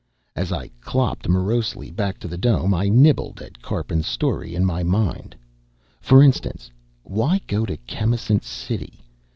As I clopped morosely back to the dome, I nibbled at Karpin's story in my mind. For instance, why go to Chemisant City?